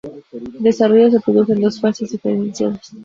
El desarrollo se produjo en dos fases diferenciadas.